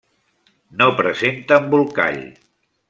No presenta embolcall.